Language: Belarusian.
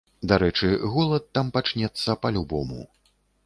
Дарэчы, голад там пачнецца па-любому.